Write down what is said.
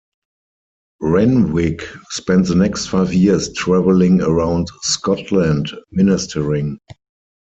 Renwick spent the next five years travelling around Scotland ministering.